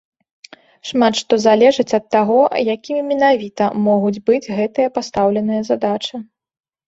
Шмат што залежыць ад таго, якімі менавіта могуць быць гэтыя пастаўленыя задачы.